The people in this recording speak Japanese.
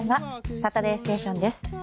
「サタデーステーション」です。